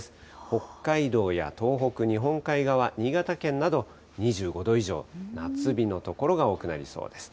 北海道や東北、日本海側、新潟県など２５度以上、夏日の所が多くなりそうです。